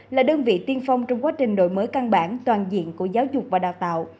là đơn vị tiên phong trong quá trình đổi mới căn bản toàn diện của giáo dục và đào tạo